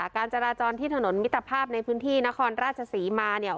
การจราจรที่ถนนมิตรภาพในพื้นที่นครราชศรีมาเนี่ย